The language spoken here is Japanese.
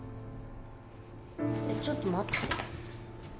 ちょっと待って。